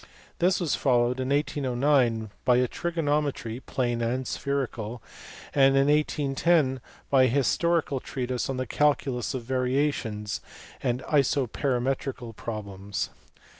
This was followed in 1809 by a trigonometry (plane and spherical), and in 1810 by a historical treatise on the calculus of variations and isoperimetrical problems.